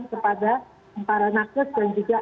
kepada para nakes dan juga